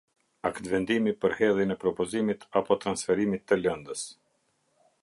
Aktvendimi për hedhjen e propozimit apo transferimit të lëndës.